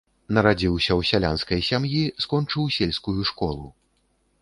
Нарадзіўся ў сялянскай сям'і, скончыў сельскую школу.